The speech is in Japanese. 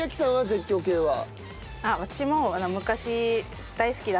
私も。